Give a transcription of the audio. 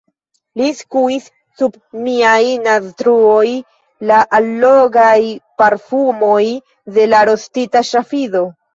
Li skuis sub miaj naztruoj la allogaj parfumoj de la rostita ŝafido.